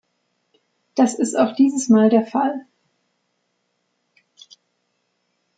Das ist auch dieses Mal der Fall.